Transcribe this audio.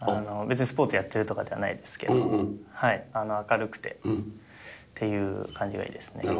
別にスポーツやってるとかじゃないですけど、明るくてっていう感じがいいですね。